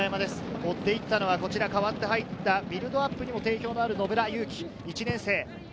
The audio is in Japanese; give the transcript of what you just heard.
追っていったのは代わって入ってビルドアップにも定評のある野村祐貴・１年生。